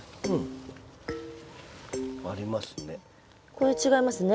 これ違いますね。